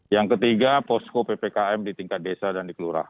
yang ketiga posko ppkm di tingkat desa dan dikeluargaan